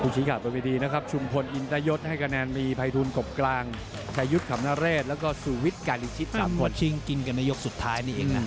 จบเกมเลยนะครับหมดยกสุดท้าย